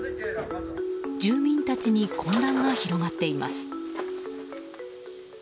住民たちに混乱が広がっています。